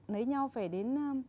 lấy nhau phải đến